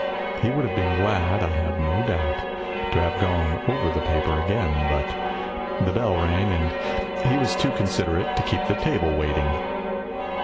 He would have been glad, I have no doubt, to have gone over the paper again, but the bell rang and he was too con siderate to keep the table waiting.